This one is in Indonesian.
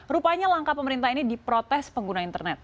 rupanya langkah pemerintah ini di protes pengguna internet